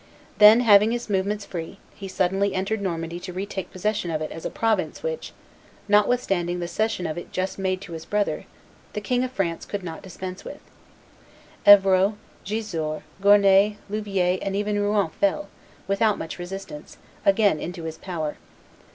Then, having his movements free, he suddenly entered Normandy to retake possession of it as a province which, notwithstanding the cession of it just made to his brother, the King of France could not dispense with. Evreux, Gisors, Gournay, Louviers, and even Rouen fell, without much resistance, again into his power.